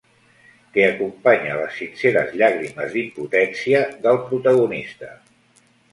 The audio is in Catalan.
Que acompanya les sinceres llàgrimes d'impotència del protagonista.